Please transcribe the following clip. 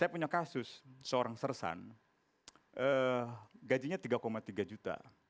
saya punya kasus seorang sersan gajinya tiga tiga juta